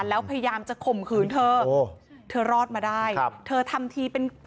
แล้วพยายามจะข่มขืนเธอเธอรอดมาได้